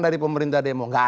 dari pemerintah demo nggak ada